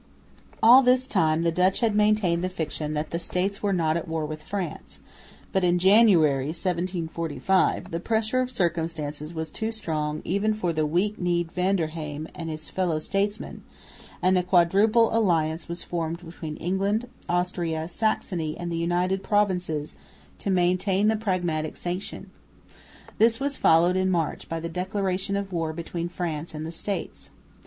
All this time the Dutch had maintained the fiction that the States were not at war with France; but in January, 1745, the pressure of circumstances was too strong even for the weak kneed Van der Heim and his fellow statesmen, and a quadruple alliance was formed between England, Austria, Saxony and the United Provinces to maintain the Pragmatic Sanction. This was followed in March by the declaration of war between France and the States.